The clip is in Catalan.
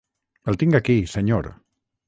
El tinc aquí, senyor.